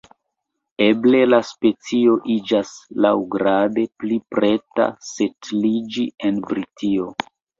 Eble la specio iĝas laŭgrade pli preta setliĝi en Britio.